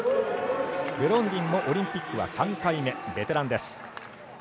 ディンもオリンピックは３回目ベテランです。